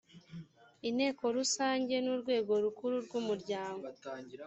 inteko rusange ni urwego rukuru rw umuryango